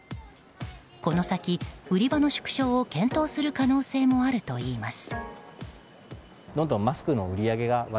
この先、売り場の縮小を検討する可能性もあるといいます。